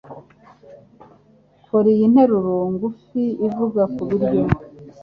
Kora iyi nteruro ngufi ivuga kubiryo